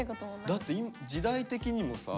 だって時代的にもさ。